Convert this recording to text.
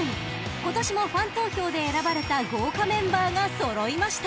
今年もファン投票で選ばれた豪華メンバーが揃いました］